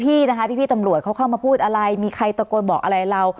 พี่นะคะพี่ตำรวจเขาเข้ามาพูดอะไรมีใครตะโกนบอกอะไรเรา